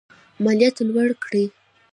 مالیات لوړ کړي.